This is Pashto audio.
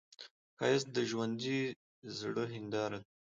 ښایست د ژوندي زړه هنداره ده